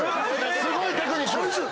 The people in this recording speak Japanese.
すごいテクニック！